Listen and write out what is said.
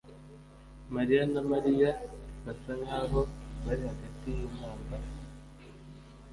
mariya na Mariya basa nkaho bari hagati yintambara